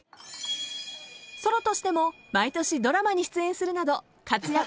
［ソロとしても毎年ドラマに出演するなど活躍の幅を広げています］